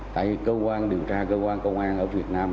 tại cơ quan điều tra cơ quan công an ở việt nam